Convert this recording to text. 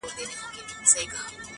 هېره مي يې.